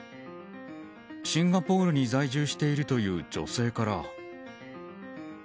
シンガポールに在住しているという女性から。